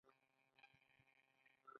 د کندهار انګور هم ډیر کیفیت لري.